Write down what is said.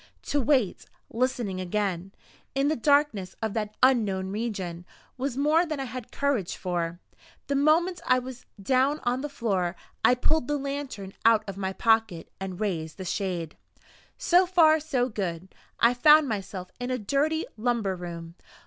To wait, listening again, in the darkness of that unknown region, was more than I had courage for. The moment I was down on the floor, I pulled the lantern out of my pocket and raised the shade. So far, so good I found myself in a dirty lumber room.